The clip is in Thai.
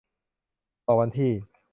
ต่อวันที่